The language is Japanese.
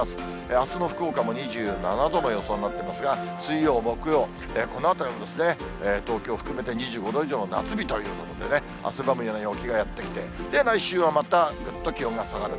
あすの福岡も２７度の予想になってますが、水曜、木曜、このあたりですね、東京を含めて２５度以上の夏日ということで、汗ばむような陽気がやって来て、来週はまたぐっと気温が下がる。